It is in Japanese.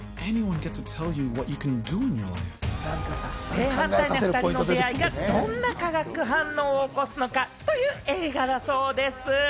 正反対な２人の出会いがどんな化学反応を起こすのか？という映画だそうです。